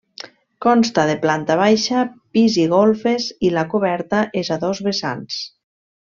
Consta de planta baixa, pis i golfes i la coberta és a dos vessants.